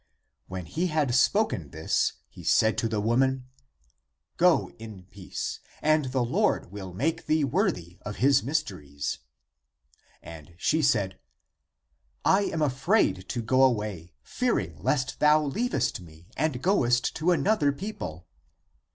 When he had spoken this, he ACTS OF THOMAS 299 said to the woman, '' Go in peace, and the Lord will make thee worthy of his mysteries." And she said, " I am afraid to go away, fearing lest thou lea vest me and goest to another people."